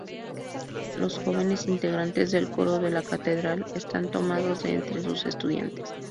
Los jóvenes integrantes del coro de la catedral están tomados de entre sus estudiantes.